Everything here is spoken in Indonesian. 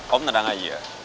om tenang aja